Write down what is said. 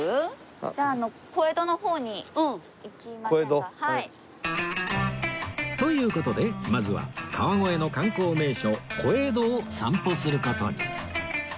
じゃあという事でまずは川越の観光名所小江戸を散歩する事に